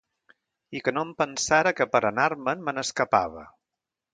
I que no em pensara que, per anar-me’n, me n’escapava.